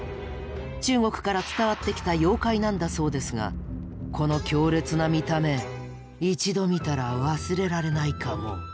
中国から伝わってきた妖怪なんだそうですがこの強烈な見た目一度見たら忘れられないかも。